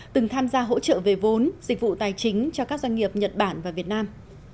từng tham gia hỗ trợ về vốn dịch vụ tài chính cho các doanh nghiệp nhật bản và việt nam